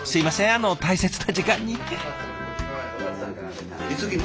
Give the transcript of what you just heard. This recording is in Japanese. あの大切な時間に。